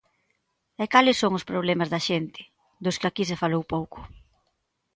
¿E cales son os problemas da xente, dos que aquí se falou pouco?